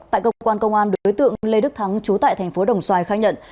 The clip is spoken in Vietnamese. tại cơ quan công an đối tượng lê đức thắng trú tại thành phố đồng xoài khai nhận